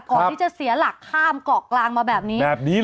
ก่อนที่จะเสียหลักข้ามเกาะกลางมาแบบนี้